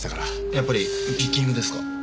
やっぱりピッキングですか？